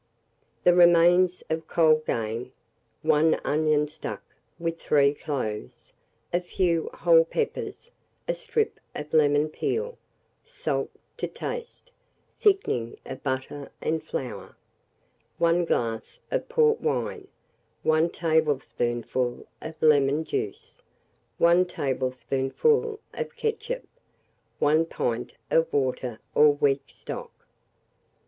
The remains of cold game, 1 onion stuck with 3 cloves, a few whole peppers, a strip of lemon peel, salt to taste, thickening of butter and flour, 1 glass of port wine, 1 tablespoonful of lemon juice, 1 tablespoonful of ketchup, 1 pint of water or weak stock.